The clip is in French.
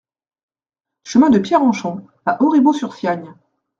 Chemin de Pierrenchon à Auribeau-sur-Siagne